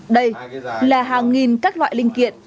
đây là hàng nghìn các loại linh kiện